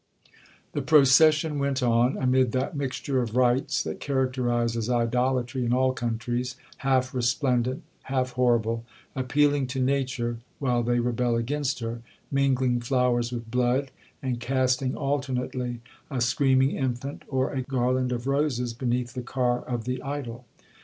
'The procession went on, amid that mixture of rites that characterizes idolatry in all countries,—half resplendent, half horrible—appealing to nature while they rebel against her—mingling flowers with blood, and casting alternately a screaming infant, or a garland of roses, beneath the car of the idol.